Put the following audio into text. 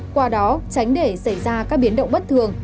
qua đó tránh để xảy ra các biến động bất thường